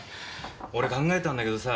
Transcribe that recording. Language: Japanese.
俺考えたんだけどさ